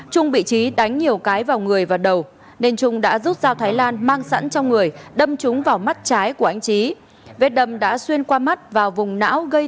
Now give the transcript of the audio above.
trung bị trí đánh nhiều cái vào người vào đầu nên trung đã giúp dao thái lan mang sẵn trong người đâm chúng vào mắt trái của anh trí